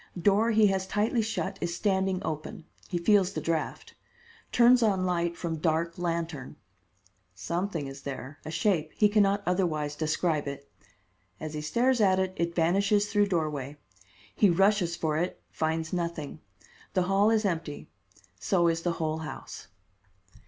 Door he has tightly shut is standing open. He feels the draft. Turns on light from dark lantern. Something is there a shape he can not otherwise describe it. As he stares at it, it vanishes through doorway. He rushes for it; finds nothing. The hall is empty; so is the whole house.